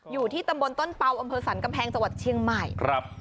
อยู่ที่ตำบลต้นเปล่าอำเภอสรรกำแพงจังหวัดเชียงใหม่ครับ